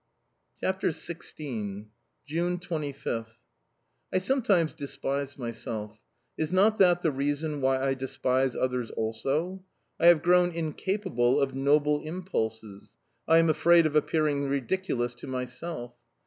CHAPTER XVI. 25th June. I SOMETIMES despise myself... Is not that the reason why I despise others also?... I have grown incapable of noble impulses; I am afraid of appearing ridiculous to myself.